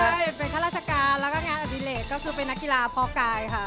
ใช่เป็นข้าราชการแล้วก็งานอดิเลกก็คือเป็นนักกีฬาพอกายค่ะ